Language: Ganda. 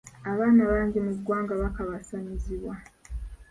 Abaana bangi mu ggwanga bakabasanyizibwa.